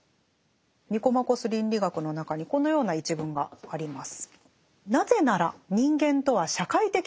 「ニコマコス倫理学」の中にこのような一文があります。